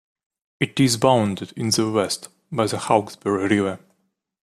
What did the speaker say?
It is bounded in the west by the Hawkesbury River.